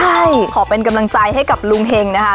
ใช่ขอเป็นกำลังใจให้กับลุงเฮงนะคะ